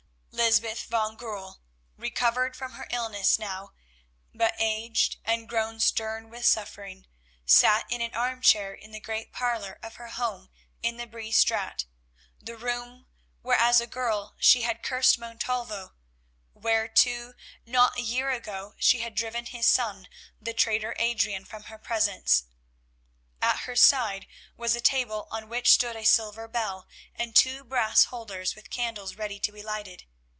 Lysbeth van Goorl, recovered from her illness now, but aged and grown stern with suffering, sat in an armchair in the great parlour of her home in the Bree Straat, the room where as a girl she had cursed Montalvo; where too not a year ago, she had driven his son, the traitor Adrian, from her presence. At her side was a table on which stood a silver bell and two brass holders with candles ready to be lighted.